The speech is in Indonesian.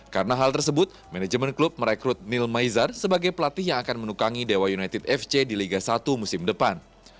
karena hal tersebut manajemen klub merekrut neil maizard sebagai pelatih yang akan menukangi dewa united fc di liga satu musim depan